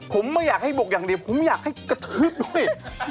ผมไม่อยากให้บุกอย่างนี้ผมไม่อยากให้กะทึศด้วย